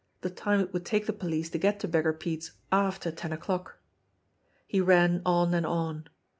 The time it would take the police to get to Beggar Pete's after ten o'clock. He ran on and on.